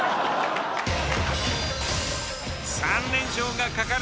３連勝がかかる